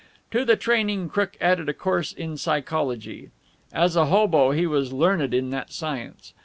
To the training Crook added a course in psychology. As a hobo he was learned in that science.